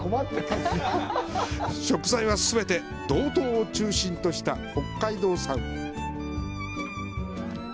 食材は全て道東を中心とした北海道産。